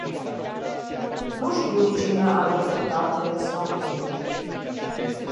Nu știu cine are dreptate sau nu.